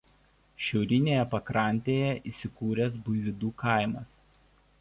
Šiaurinėje pakrantėje įsikūręs Buivydų kaimas.